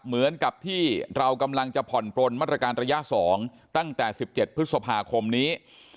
เหมือนกับที่เรากำลังจะผ่อนปลนมาตรการระยะ๒ตั้งแต่๑๗พฤษภาคมนี้